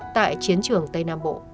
tại chiến trường tây nam bộ